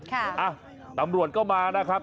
อ่ะตำรวจก็มานะครับ